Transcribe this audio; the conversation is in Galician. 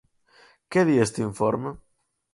¿Que di este informe?